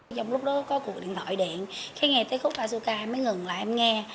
trong lúc đó có cuộc điện thoại điện khi nghe tới khúc asuka em mới ngừng lại em nghe